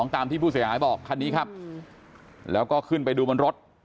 ตามที่ผู้เสียหายบอกคันนี้ครับแล้วก็ขึ้นไปดูบนรถ